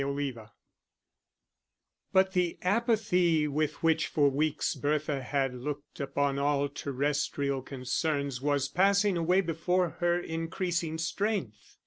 Chapter XIX But the apathy with which for weeks Bertha had looked upon all terrestrial concerns was passing away before her increasing strength.